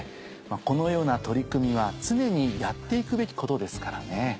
このような取り組みは常にやって行くべきことですからね。